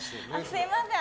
すみません。